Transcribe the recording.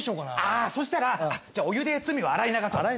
あそうしたらじゃあお湯で罪を洗い流そう。